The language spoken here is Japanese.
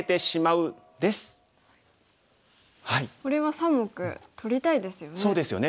これは３目取りたいですよね。